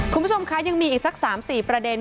คุณผู้ชมคะยังมีอีกสัก๓๔ประเด็น